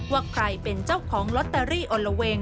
ว่าใครเป็นเจ้าของลอตเตอรี่อละเวง